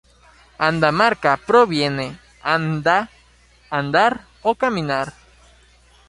Andamarca proviene anda= andar o caminar.